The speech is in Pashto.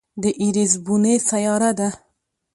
د ایرېس بونې سیاره ده.